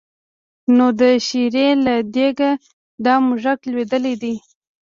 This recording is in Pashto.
نو د شېرې له دېګه دا موږک لوېدلی دی.